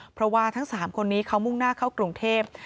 เพราะว่าทั้ง๓คนนี้เขามุ่งหน้าเข้ากรุงเทพ